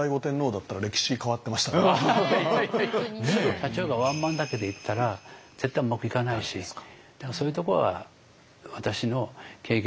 社長がワンマンだけでいったら絶対うまくいかないしだからそういうとこは私の経験の中でも感じる時ありますね。